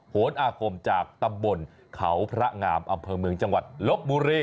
โหนอาคมจากตำบลเขาพระงามอำเภอเมืองจังหวัดลบบุรี